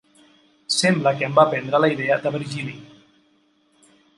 Sembla que en va prendre la idea de Virgili.